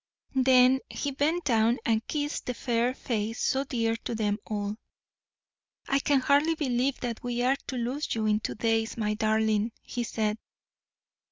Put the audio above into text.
Then he bent down and kissed the fair face so dear to them all. "I can hardly believe that we are to lose you in two days, my darling," he said.